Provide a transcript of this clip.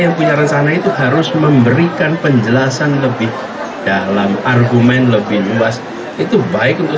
yang punya rencana itu harus memberikan penjelasan lebih dalam argumen lebih luas itu baik untuk